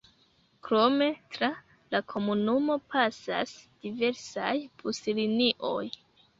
Krome tra la komunumo pasas diversaj buslinioj.